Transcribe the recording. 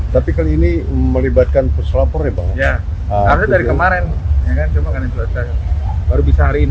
tapi kali ini melibatkan puslapor ya bang